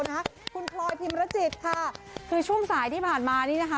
นะคะคุณพลอยพิมรจิตค่ะคือช่วงสายที่ผ่านมานี่นะคะ